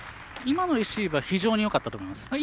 今のレシーブは非常によかったと思います。